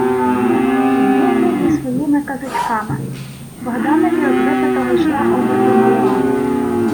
— Іди ти зі своїми казочками! — Богданові од випитого йшла обертом голова.